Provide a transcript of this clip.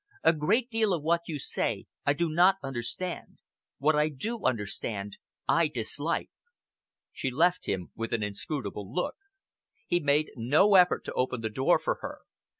A great deal of what you say I do not understand. What I do understand, I dislike." She left him, with an inscrutable look. He made no effort to open the door for her.